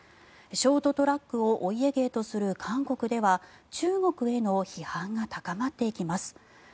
ショートトラックをお家芸とする韓国では中国への批判が高まっていきます。